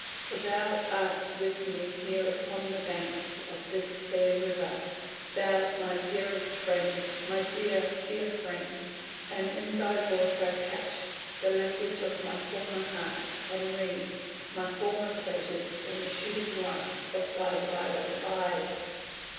······ For thou art with me here upon the banks Of this fair river; thou my dearest Friend, My dear, dear Friend, and in thy voice I catch The language of my former heart, and read My former pleasures in the shooting lights Of thy wild eyes.